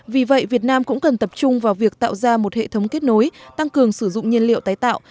vì vậy việt nam cũng cần tập trung vào việc tạo ra một hệ thống kết nối tăng cường sử dụng nhiên liệu tái tạo